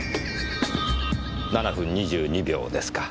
７分２２秒ですか。